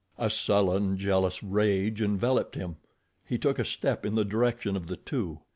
A sullen, jealous rage enveloped him. He took a step in the direction of the two.